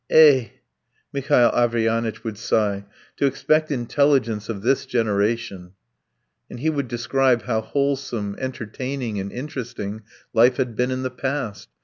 "Eh!" Mihail Averyanitch would sigh. "To expect intelligence of this generation!" And he would describe how wholesome, entertaining, and interesting life had been in the past.